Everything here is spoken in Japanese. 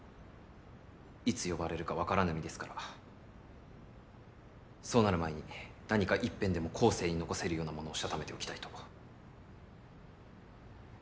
いつ呼ばれるか分からぬ身ですからそうなる前に何か一編でも後世に残せるようなものをしたためておきたいと。